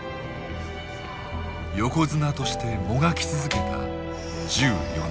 横綱としてもがき続けた１４年。